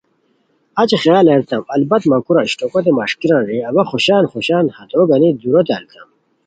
اچی خیال ارتام البت مہ کورا اشٹوکوت مݰکیران رے اوا خوشان خوشان ہتو گانی دُوروت التام